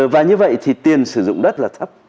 và như vậy thì tiền sử dụng đất là thấp